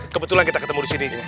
kebetulan kita ketemu disini